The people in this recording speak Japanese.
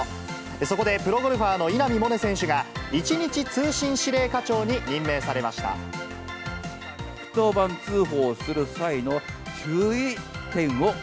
そこで、プロゴルファーの稲見萌寧選手が、一日通信指令課長に任命されまし１１０番通報する際の注意点